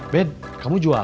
bet kamu jualan